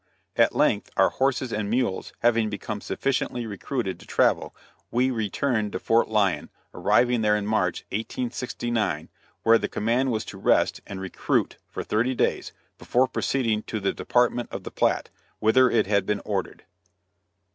At length, our horses and mules having become sufficiently recruited to travel, we returned to Fort Lyon, arriving there in March, 1869, where the command was to rest and recruit for thirty days, before proceeding to the Department of the Platte, whither it had been ordered.